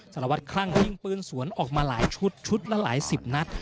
สารวัตรคลั่งยิงปืนสวนออกมาหลายชุดชุดละหลายสิบนัด